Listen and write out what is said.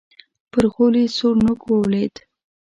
پر غولي سور نوک ولوېد.